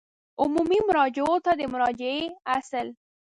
عمومي مراجعو ته د مراجعې اصل